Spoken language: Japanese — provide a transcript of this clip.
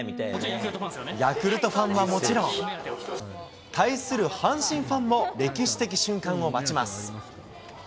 ヤクルトファンはもちろん、対する阪神ファンも、歴史的瞬間を待ちます。